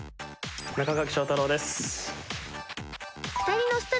中垣正太郎です。